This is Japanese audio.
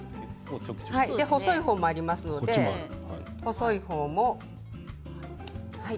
細い方もありますので細い方も。